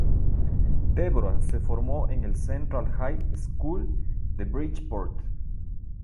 Deborah se formó en la Central High School de Bridgeport.